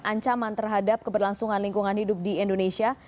ancaman terhadap keberlangsungan lingkungan hidup di indonesia